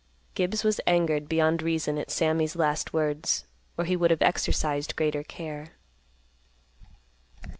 Gibbs was angered beyond reason at Sammy's last words, or he would have exercised greater care.